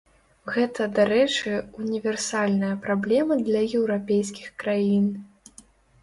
Гэта, дарэчы, універсальная праблема для еўрапейскіх краін.